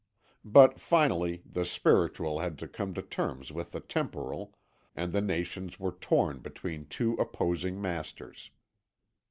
But finally the spiritual had to come to terms with the temporal, and the nations were torn between two opposing masters.